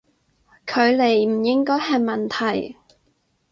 距離唔應該係問題